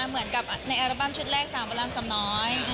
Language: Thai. เหมือนกับในแอร์บันชุดแรกสามประลังสำน้อย